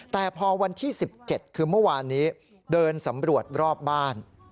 แต่พอวันที่๑๗คือเมื่อวานนี้เดินสำรวจรอบบ้าน